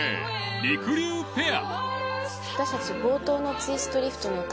りくりゅうペア。